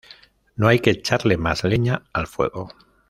No hay que echarle más leña al fuego